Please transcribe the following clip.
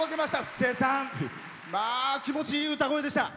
布施さん、気持ちいい歌声でした。